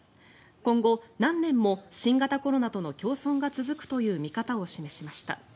今後、何年も新型コロナとの共存が続くという見方を示しました。